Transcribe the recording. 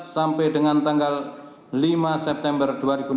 sampai dengan tanggal lima september dua ribu enam belas